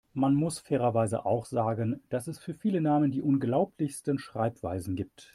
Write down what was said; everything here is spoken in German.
Man muss fairerweise auch sagen, dass es für viele Namen die unglaublichsten Schreibweisen gibt.